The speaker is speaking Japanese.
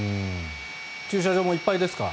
駐車場もいっぱいですか？